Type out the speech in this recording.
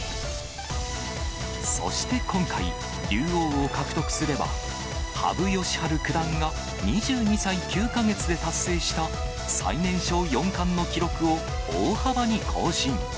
そして今回、竜王を獲得すれば、羽生善治九段が２２歳９か月で達成した、最年少四冠の記録を大幅に更新。